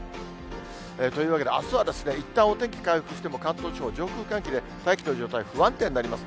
というわけで、あすはいったんお天気回復しても、関東地方、上空の寒気で大気の状態不安定になります。